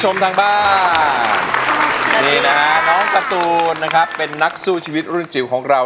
มากครับ